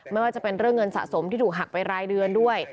ไม่ว่าจะเป็นเรื่องเงินสะสมที่ถูกหักไปรายเดือนด้วย